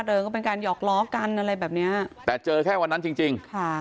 ดจะเป็นการหยอกล้อกันอะไรแบบนี้แต่เจอแค่วันนั้นจริง